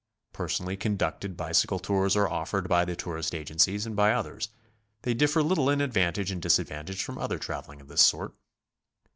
"Personally con ducted" bicycle tours are offered by the tourist agencies and by others; they differ little in advantage and disadvantage from other traveling of this sort.